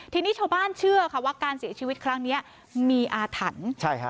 ทีนี้ชาวบ้านเชื่อค่ะว่าการเสียชีวิตครั้งนี้มีอาถรรพ์ใช่ฮะ